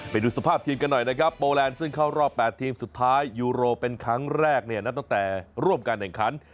ไปดูสภาพทีมกันหน่อยนะครับโปแลนด์ซึ่งเข้ารอบ๘ทีมสุดท้ายยูโรเป็นครั้งแรกเนี่ยนับตั้งแต่ร่วมการแข่งขัน